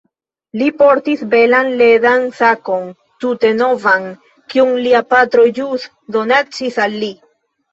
Li portis belan ledan sakon, tute novan, kiun lia patro ĵus donacis al li.